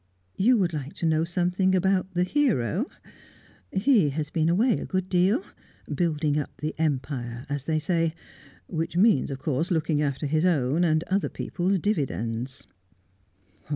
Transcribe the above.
You would like to know something about the hero? He has been away a good deal building up the Empire, as they say; which means, of course, looking after his own and other people's dividends."